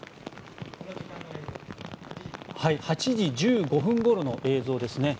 ８時１５分ごろの映像ですね。